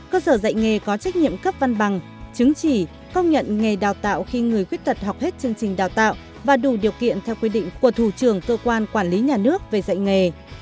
một cơ sở dạy nghề có trách nhiệm cấp văn bằng chứng chỉ công nhận nghề đào tạo khi người khuyết tật học hết chương trình đào tạo và đủ điều kiện theo quy định của thủ trưởng cơ quan quản lý nhà nước về dạy nghề